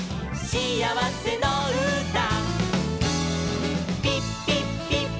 しあわせのうた」